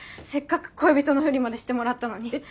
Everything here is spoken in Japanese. せっかく恋人のふりまでしてもらったのに。